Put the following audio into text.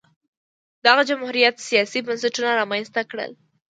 دغه جمهوریت سیاسي بنسټونه رامنځته کړل